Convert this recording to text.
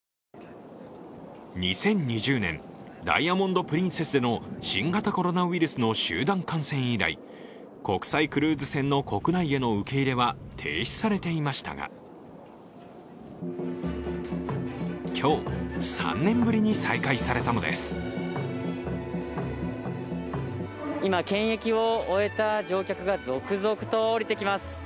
２０２０年、「ダイヤモンド・プリンセス」での新型コロナウイルスの集団感染以来国際クルーズ船の国内への受け入れは停止されていましたが今、検疫を終えた乗客が続々と降りてきます。